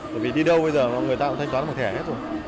tại vì đi đâu bây giờ người ta cũng thanh toán bằng thẻ hết rồi